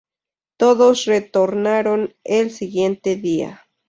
Todos retornaron el siguiente día.